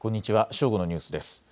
正午のニュースです。